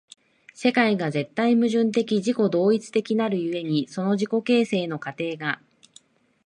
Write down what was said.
世界が絶対矛盾的自己同一的なる故に、その自己形成の過程が